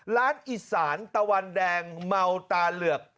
ร้านอีสานตะวันแดงเมาตาเหลือก